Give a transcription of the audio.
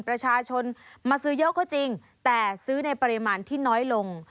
ประชาชนมาซื้อเยอะก็จริงแต่ซื้อในปริมาณที่น้อยลง